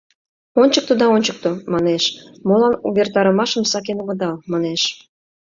«Ончыкто да ончыкто, — манеш, — молан увертарымашым сакен огыдал, — манеш».